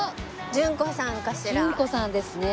順子さんですね。